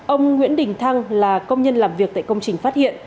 ông nguyễn đình thăng là công nhân làm việc tại công trình phát hiện